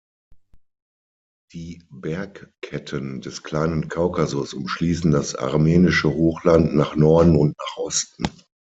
Die Bergketten des Kleinen Kaukasus umschließen das Armenische Hochland nach Norden und nach Osten.